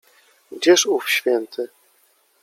Gdzież ów święty?